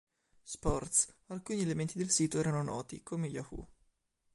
Sports, alcuni elementi del sito erano noti come Yahoo!